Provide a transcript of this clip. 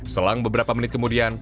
selang beberapa menit kemudian